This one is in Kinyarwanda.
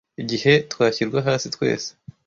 igihe twashyirwa hasi twese